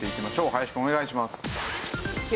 林くんお願いします。